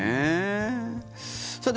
さて